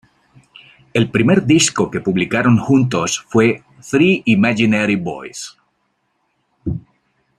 El primer disco que publicaron juntos fue "Three Imaginary Boys".